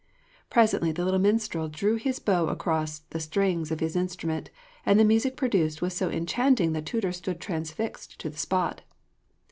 Presently the little minstrel drew his bow across the strings of his instrument, and the music produced was so enchanting that Tudur stood transfixed to the spot.'